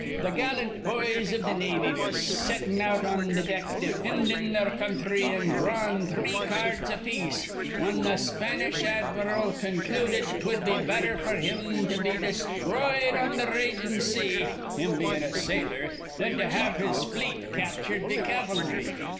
Th' gallant boys iv th' navy was settin' out on th' deck, defindin' their counthry an' dhrawin' three ca ards apiece, whin th' Spanish admiral con cluded 'twud be better f'r him to be desthroyed on th' ragin' sea, him bein' a sailor, thin to have his fleet captured be cav'lry.